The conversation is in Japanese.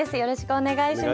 お願いします。